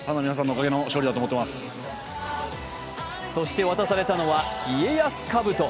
そして渡されたのは家康かぶと。